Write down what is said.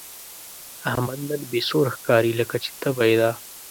احمد نن بې سوره ښکاري، لکه چې تبه یې ده.